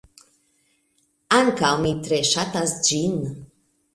Ankaŭ mi tre ŝatas ĝin.